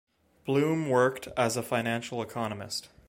Bloom worked as a financial economist.